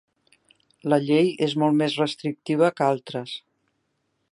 La llei és molt més restrictiva que altres.